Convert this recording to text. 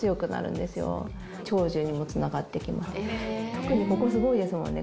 特にここすごいですもんね。